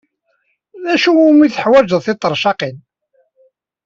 D acu umi teḥwajed tiṭercaqin?